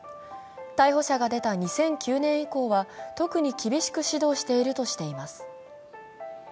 逮捕者が出た２００９年以降は、特に厳しく指導しているといいます。